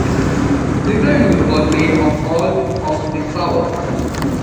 Liberal use was made of all of these powers.